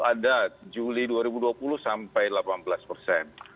itu ada kenaikan mobilitas penduduk di pusat perbelanjaan sampai dua puluh persen